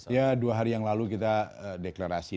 ya dua hari yang lalu kita deklarasi